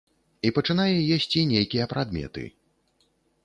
І пачынае есці нейкія прадметы.